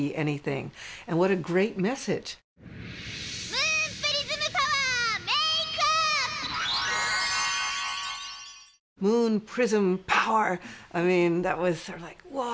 ムーン・プリズム・パワーメイクアップ！